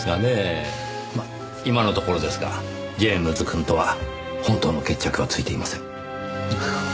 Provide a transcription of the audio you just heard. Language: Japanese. まあ今のところですがジェームズくんとは本当の決着はついていません。